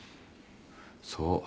そう。